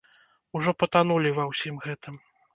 Ужо патанулі ва ўсім гэтым!